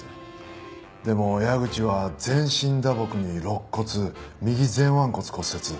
でも矢口は全身打撲に肋骨右前腕骨骨折。